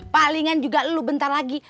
palingan juga lu bentar lagi